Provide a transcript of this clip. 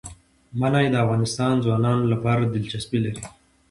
منی د افغان ځوانانو لپاره دلچسپي لري.